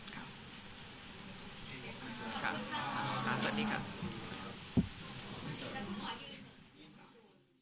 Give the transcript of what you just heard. ขอบคุณครับ